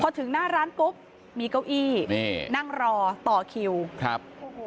พอถึงหน้าร้านปุ๊บมีเก้าอี้นี่นั่งรอต่อคิวครับ